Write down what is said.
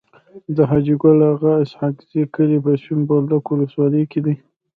د حاجي ګل اغا اسحق زي کلی په سپين بولدک ولسوالی کي دی.